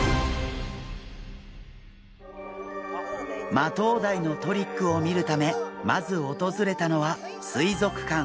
マトウダイのトリックを見るためまず訪れたのは水族館。